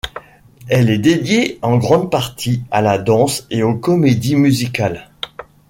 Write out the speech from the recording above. Elle est dédiée en grande partie à la danse et aux comédies musicales.